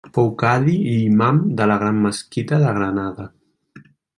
Fou cadi i imam de la gran mesquita de Granada.